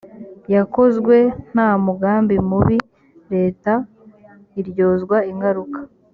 yakozwe nta mugambi mubi leta iryozwa ingaruka